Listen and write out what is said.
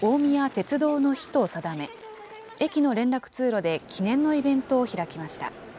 鉄道の日と定め、駅の連絡通路で記念のイベントを開きました。